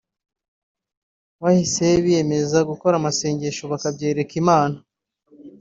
bahise biyemeza gukora amasengesho bakabyereka Imana